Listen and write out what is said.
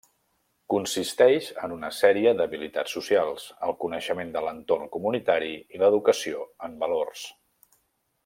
Consisteix en una sèrie d'habilitats socials, el coneixement de l'entorn comunitari i l'educació en valors.